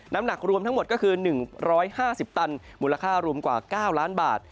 น้ำหนักรวมทั้งหมดก็คือ๑๕๐ตันมูลค่ารวมกว่า๙ล้านบาท